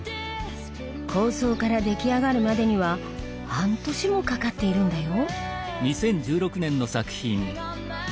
構想から出来上がるまでには半年もかかっているんだよ。